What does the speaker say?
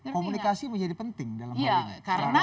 komunikasi menjadi penting dalam hal ini